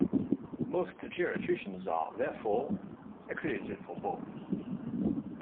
Most geriatricians are, therefore, accredited for both.